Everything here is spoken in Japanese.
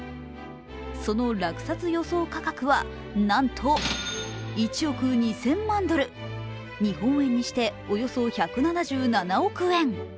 その落札予想価格はなんと１億２０００万ドル、日本円にしておよそ１７７億円。